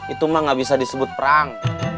itu mah gak bisa disebut perang